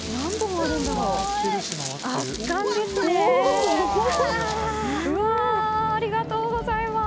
ありがとうございます。